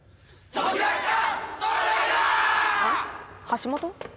橋本？